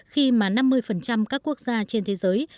khi mà năm mươi các quốc gia trên thế giới